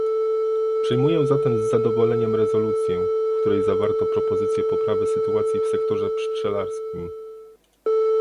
Przyjmuję zatem z zadowoleniem rezolucję, w której zawarto propozycje poprawy sytuacji w sektorze pszczelarskim